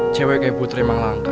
cewek ibu terima langkah